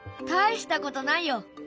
大したことないよ。